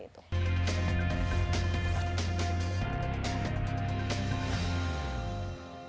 jadi itu bisa jadi bahan bahan yang bisa dikendalikan